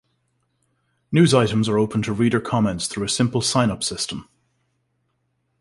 News items are open to reader comments through a simple sign-up system.